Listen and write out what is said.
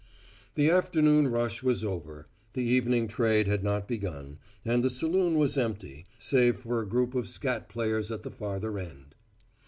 The afternoon rush was over, the evening trade had not begun, and the saloon was empty, save for a group of scat players at the farther end.